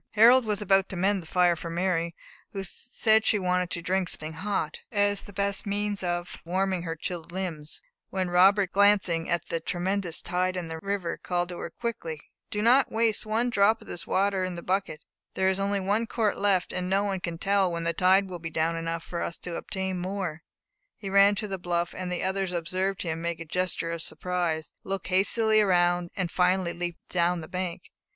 Harold was about to mend the fire for Mary, who said she wanted to drink something hot, as the best means of warming her chilled limbs, when Robert, glancing at the tremendous tide in the river, called to her quickly "Do not waste one drop of this water in the bucket; there is only a quart left, and no one can tell when the tide will be down enough for us to obtain more." He ran to the bluff, and the others observed him make a gesture of surprise, look hastily around, and finally leap down the bank.